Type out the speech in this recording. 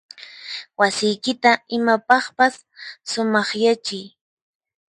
Wasiykita imapaqpas sumaqyachiy.